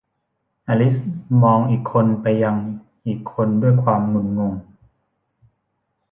อลิซมองอีกคนไปยังอีกคนด้วยความงุนงง